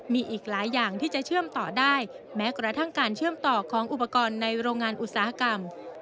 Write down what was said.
มีอีกหลายอย่างที่จะเชื่อมต่อได้แม้กระทั่งการเชื่อมต่อของอุปกรณ์ในโรงงานอุตสาหกรรม